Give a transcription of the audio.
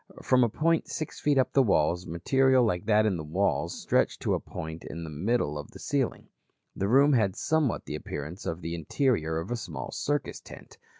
From a point six feet up the walls material like that in the walls stretched to a point in the middle of the ceiling. The room had somewhat the appearance of the interior of a small circus tent.